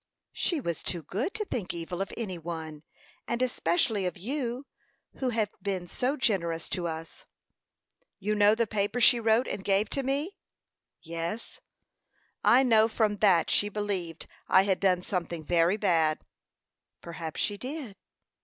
"She was too good to think evil of any one, and especially of you, who have been so generous to us." "You know the paper she wrote and gave to me?" "Yes." "I know from that she believed I had done something very bad." "Perhaps she did."